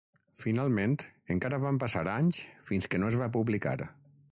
Finalment, encara van passar anys fins que no es va publicar.